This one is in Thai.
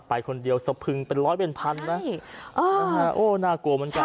ไปคนเดียวสะพึงเป็นร้อยเป็นพันนะโอ้น่ากลัวเหมือนกัน